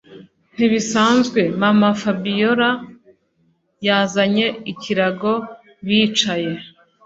nkibisanzwe mama-fabiora yazanye ikirago bicaye